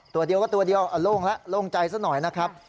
ตัวเดียวก็ตัวเดียวโล่งแล้วโล่งใจซะหน่อยนะครับ